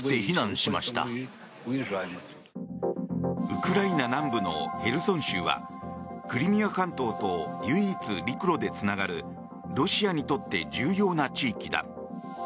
ウクライナ南部のヘルソン州はクリミア半島と唯一陸路でつながるロシアにとって重要な地域だ。